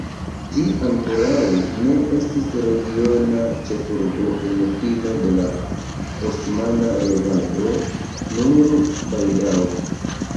Ĝi ankoraŭ ne estis regiona ĉefurbo en fino de la osmana regado, nur baldaŭ.